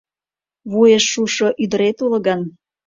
Вуешшушо ӱдырет уло гын